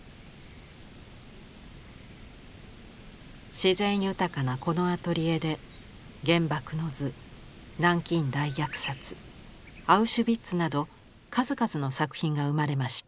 自然豊かなこのアトリエで「原爆の図」「南京大虐殺」「アウシュビッツ」など数々の作品が生まれました。